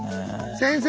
先生。